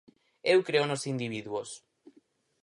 Eu creo nos individuos.